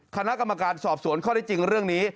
คณะกรรมการสอบสวนข้อได้จริงเรื่องนี้